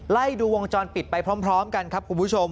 ไล่ดูวงจรปิดไปพร้อมกันครับคุณผู้ชม